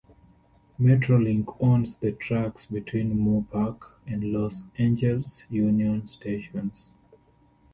Metrolink owns the tracks between Moorpark and Los Angeles Union Station.